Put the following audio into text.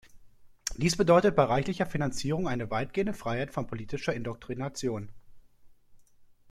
Dies bedeutete bei reichlicher Finanzierung eine weitgehende Freiheit von politischer Indoktrination.